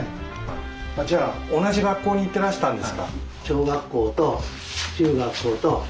じゃあ同じ学校に行ってらしたんですか？